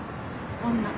女。